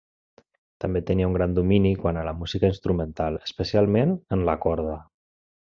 També tenia un gran domini quant a música instrumental, especialment en la corda.